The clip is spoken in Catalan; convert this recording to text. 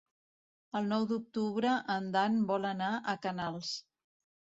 El nou d'octubre en Dan vol anar a Canals.